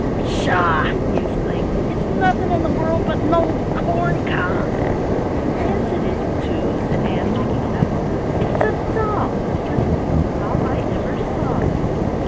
"Pshaw," he exclaimed, "it's nothing in the world but an old corn cob!" "Yes, it is, too," said Ann, picking it up. "It's a doll, the funniest old doll I ever saw!"